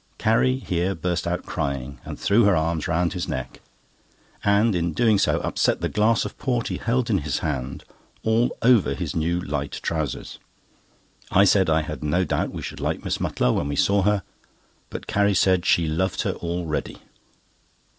Carrie here burst out crying, and threw her arms round his neck, and in doing so, upset the glass of port he held in his hand all over his new light trousers. I said I had no doubt we should like Miss Mutlar when we saw her, but Carrie said she loved her already.